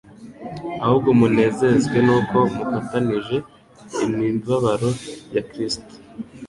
Ahubwo munezezwe n'uko mufatanije imibabaro ya Kristo,